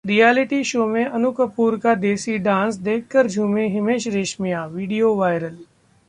reality show में अनु कपूर का desi dance देखकर झूमे हिमेश रेशमिया, वीडियो वायरल